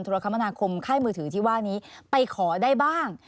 รคมนาคมค่ายมือถือที่ว่านี้ไปขอได้บ้าง